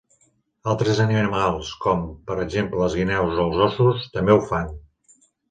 Altres animals com, per exemple les guineus o els óssos també ho fan.